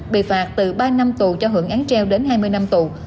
bị phạt từ ba năm tù cho hưởng án treo đến hai mươi năm tù